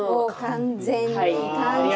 完全に完勝！